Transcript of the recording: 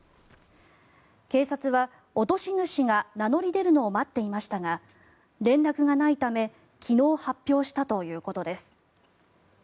警察は落とし主が名乗り出るのを待っていましたが連絡がないため昨日、発表したということです。